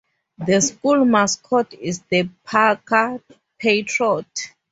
The school mascot is the Parker Patriot.